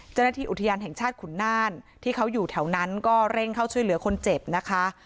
เจ้าหน้าที่อุทยานแห่งชาติขุนน่านที่เขาอยู่แถวนั้นก็เร่งเข้าช่วยเหลือคนเจ็บนะคะ